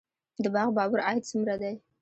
د باغ بابر عاید څومره دی؟